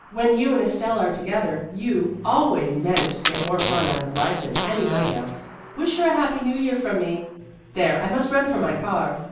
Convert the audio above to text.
When you and Estelle are together, you always manage to get more fun out of life than anybody else. Wish her a happy New Year from me. There I must run for my car."